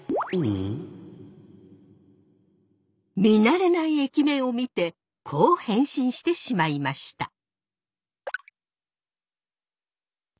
見慣れない駅名を見てこう返信してしまいました。